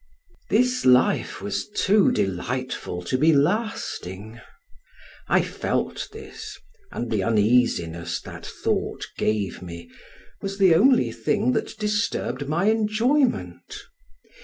This life was too delightful to be lasting; I felt this, and the uneasiness that thought gave me was the only thing that disturbed my enjoyment.